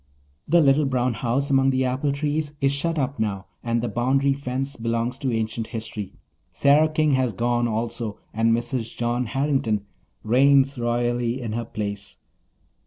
The little brown house among the apple trees is shut up now and the boundary fence belongs to ancient history. Sarah King has gone also and Mrs. John Harrington reigns royally in her place.